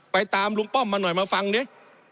ตามลุงป้อมมาหน่อยมาฟังดิ